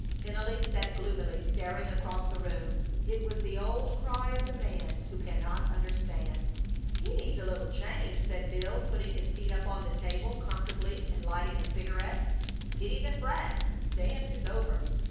Tennelly sat gloomily staring across the room. It was the old cry of the man who cannot understand. "He needs a little change," said Bill, putting his feet up on the table comfortably and lighting a cigarette. "Pity the frat. dance is over.